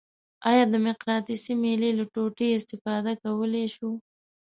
آیا د مقناطیسي میلې له ټوټې استفاده کولی شو؟